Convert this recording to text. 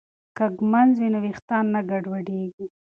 که ږمنځ وي نو ویښتان نه ګډوډیږي.